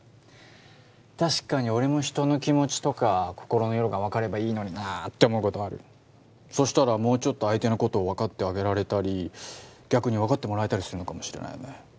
確かに俺も人の気持ちとか心の色が分かればいいのになって思うことはあるそしたらもうちょっと相手のこと分かってあげられたり逆に分かってもらえたりするのかもしれないよね